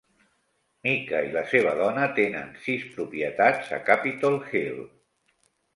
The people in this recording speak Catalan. Mica i la seva dona tenen sis propietats a Capitol Hill.